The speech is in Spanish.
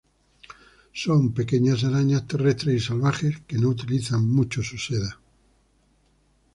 Son pequeñas arañas terrestres y salvajes que no utilizan mucho su seda.